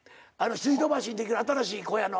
水道橋にできる新しい小屋の。